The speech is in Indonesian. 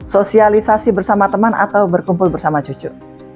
sosialisasi bersama teman atau berkumpul bersama cucu